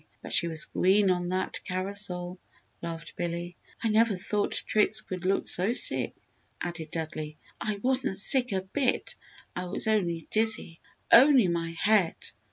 but she was green on that carousel!" laughed Billy. "I never thought Trix could look so sick!" added Dudley. "I wasn't sick a bit! I was only dizzy only my head!"